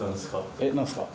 えっ何すか？